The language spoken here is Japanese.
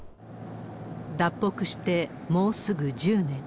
脱北してもうすぐ１０年。